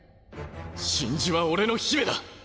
真珠は俺の姫だ！